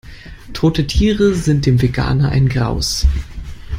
Tote Tiere sind dem Veganer ein Graus.